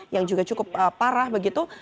yang juga cukup parah begitu